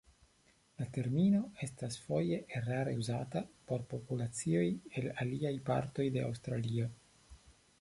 La termino estas foje erare uzata por populacioj el aliaj partoj de Aŭstralio.